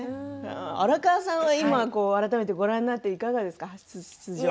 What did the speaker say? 荒川さんは今改めてご覧になっていかがでしたか、初出場の。